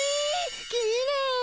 きれい！